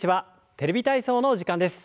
「テレビ体操」の時間です。